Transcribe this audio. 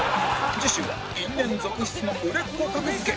次週は因縁続出の売れっ子格付け